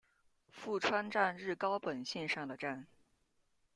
富川站日高本线上的站。